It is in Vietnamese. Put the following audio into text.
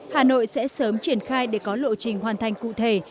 hà nội sẽ sớm triển khai để có lộ trình hoàn thành cụ thể